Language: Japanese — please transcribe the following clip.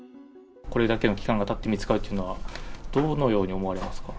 これだけの期間がたって見つかるというのは、どのように思われますか？